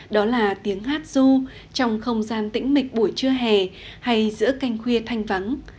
đó là tiếng hát du trong không gian tĩnh mịch buổi trưa hè hay giữa canh khuya thanh vắng